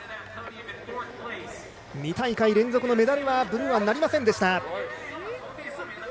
２大会連続のメダルはブルーアン、なりませんでした。